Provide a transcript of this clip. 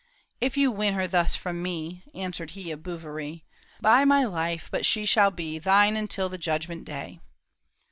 " If you win her thus from me," Answered he of Bouverie, " By my life but she shall be Thine unto the judgment day."